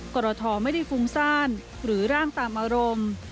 กรทไม่ได้ฟุ้งซ่านหรือร่างตามอารมณ์